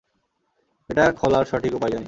এটা খোলার সঠিক উপায় জানি।